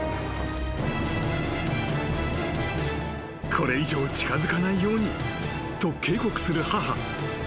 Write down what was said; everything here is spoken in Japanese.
［これ以上近づかないようにと警告する母］